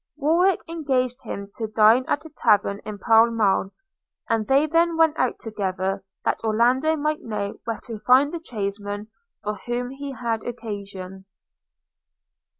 Warwick enagaged him to dine at a tavern in Pall Mall; and they then went out together, that Orlando might know where to find the tradesmen for whom he had occasion.